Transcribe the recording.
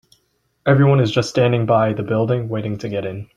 Everyone is just standing by the building, waiting to get in.